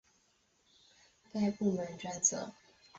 该部门专责处理悉尼某些海滨地区的管理发展。